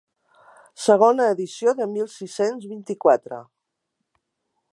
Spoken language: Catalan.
Segona edició de mil sis-cents vint-i-quatre.